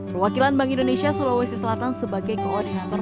perwakilan bank indonesia sulawesi selatan sebagai koordinator